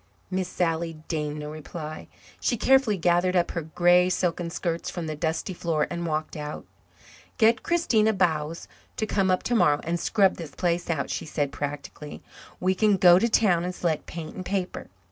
Miss Sally deigned no reply. She carefully gathered up her grey silken skirts from the dusty floor and walked out. "Get Christina Bowes to come up tomorrow and scrub this place out," she said practically. "We can go to town and select paint and paper.